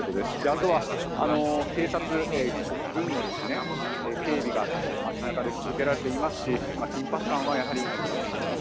あとは警察、軍の警備が街中で続けられていますし緊迫感はあります。